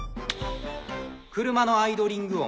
車のアイドリング音。